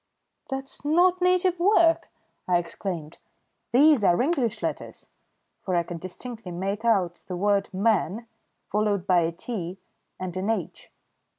"That's not native work," I exclaimed. "These are English letters," for I could distinctly make out the word "man" followed by a "t" and an "h."